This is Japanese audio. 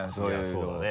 そうだね。